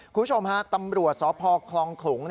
คุณผู้ชมฮะตำรวจสพคลองขลุง